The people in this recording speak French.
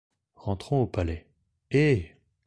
Rentrons au palais. — Hé!